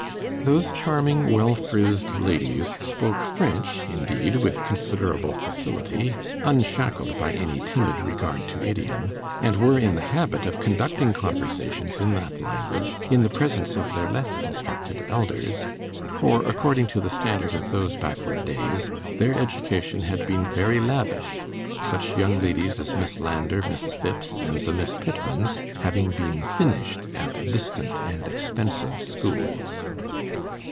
Those charming well frizzed ladies spoke French indeed with considerable facility, unshackled by any timid regard to idiom, and were in the habit of conducting conversations in that language in the presence of their less instructed elders; for according to the standard of those backward days, their education had been very lavish, such young ladies as Miss Landor, Miss Phipps, and the Miss Pittmans, having been 'finished' at distant and expensive schools.